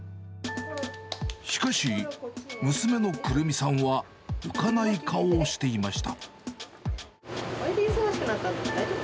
しかし、娘のくるみさんは浮かない顔をしていました。